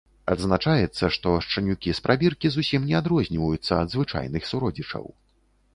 Адзначаецца, што шчанюкі з прабіркі зусім не адрозніваюцца ад звычайных суродзічаў.